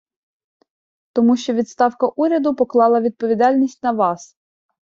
Тому що відставка Уряду поклала відповідальність на Вас.